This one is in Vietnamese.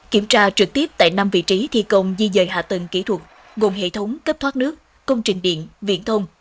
kiểm tra trực tiếp tại năm vị trí thi công di dời hạ tầng kỹ thuật gồm hệ thống cấp thoát nước công trình điện viễn thông